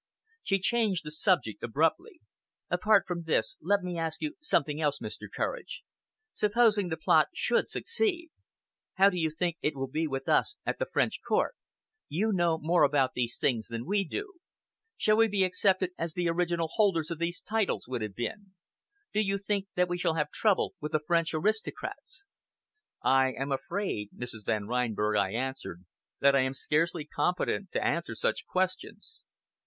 She changed the subject abruptly. "Apart from this, let me ask you something else, Mr. Courage. Supposing the plot should succeed. How do you think it will be with us at the French Court? You know more about these things than we do. Shall we be accepted as the original holders of these titles would have been? Do you think that we shall have trouble with the French aristocrats?" "I am afraid, Mrs. Van Reinberg," I answered, "that I am scarcely competent to answer such questions.